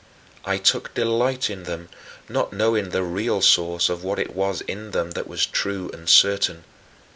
I took delight in them, not knowing the real source of what it was in them that was true and certain.